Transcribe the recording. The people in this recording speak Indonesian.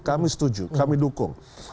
kami setuju kami dukung